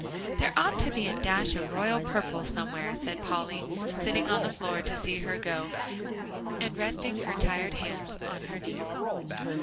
"There ought to be a dash of royal purple somewhere," said Polly, sitting on the floor to see her go, and resting her tired hands on her knees.